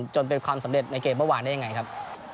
จนเป็นความสำเร็จในเกมเมื่อวานได้ยังไงครับ